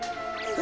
あ！